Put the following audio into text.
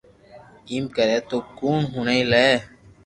ايم ڪري تو ڪوڻ ھوڻي لي